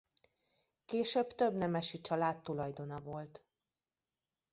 Később több nemesi család tulajdona volt.